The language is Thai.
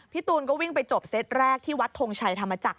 ตูนก็วิ่งไปจบเซตแรกที่วัดทงชัยธรรมจักร